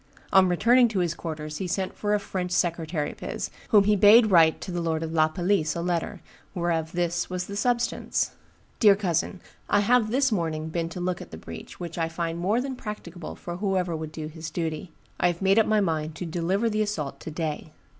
On returning to his quarters he sent for a French secretary of his, whom he bade write to the lord of La Palisse a letter, whereof this was the substance: 'Dear cousin, I have this morning been to look at the breach, which I find more than practicable for whoever would do his duty. I have made up my mind to deliver the assault to day.